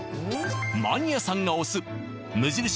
マニアさんが推す無印